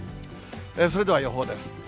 それでは予報です。